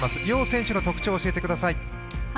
両選手の特徴教えてください。